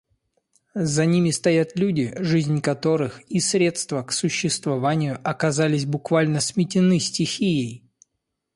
За ними стоят люди, жизнь которых и средства к существованию оказались буквально сметены стихией.